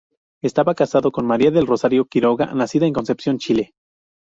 Estaba casado con María del Rosario Quiroga, nacida en Concepción, Chile.